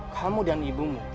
kamu dan ibumu